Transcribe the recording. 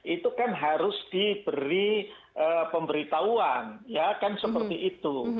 itu kan harus diberi pemberitahuan ya kan seperti itu